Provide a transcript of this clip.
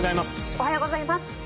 おはようございます。